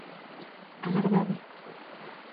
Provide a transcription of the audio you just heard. Agardade.